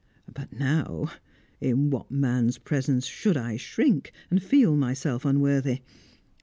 But now! In what man's presence should I shrink, and feel myself unworthy?